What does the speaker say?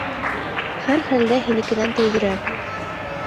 Һәр хәлдә һинекенән төҙөрәк.